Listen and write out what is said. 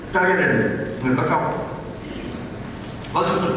bởi đây là một trong một mươi địa phương